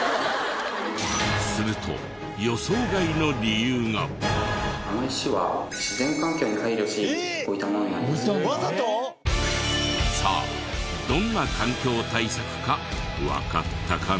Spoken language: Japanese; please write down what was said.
するとあの石はさあどんな環境対策かわかったかな？